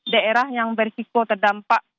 daerah yang berisiko terdampak